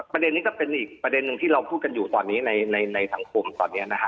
ประเด็นนี้ก็เป็นอีกประเด็นหนึ่งที่เราพูดกันอยู่ตอนนี้ในสังคมตอนนี้นะฮะ